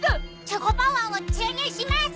チョコパワーを注入します！